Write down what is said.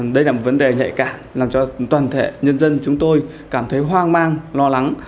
đây là một vấn đề nhạy cảm làm cho toàn thể nhân dân chúng tôi cảm thấy hoang mang lo lắng